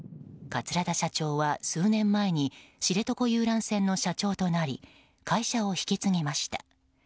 桂田社長は数年前に知床遊覧船の社長となり会社を引き継ぎました。